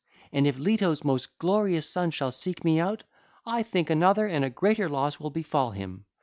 And if Leto's most glorious son shall seek me out, I think another and a greater loss will befall him.